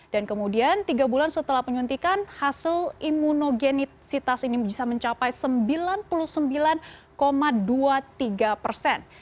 dan kemudian tiga bulan setelah penyuntikan hasil imunogenisitas ini bisa mencapai sembilan puluh sembilan dua puluh tiga persen